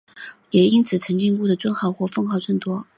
也因此陈靖姑的尊称或封号甚多。